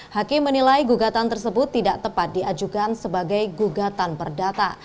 hakim menilai gugatan tersebut tidak tepat diajukan sebagai gugatan perdata